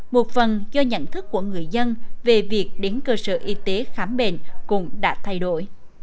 một phần do nhận thức của người dân về việc đến cơ sở y tế khám bệnh cũng đã thay đổi